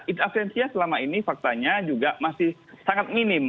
in absentia selama ini faktanya juga masih sangat minim